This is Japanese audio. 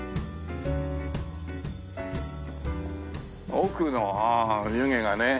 奥のああ湯気がね。